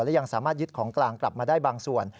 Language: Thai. และยังสามารถยึดของกลางกลับมาได้บางส่วน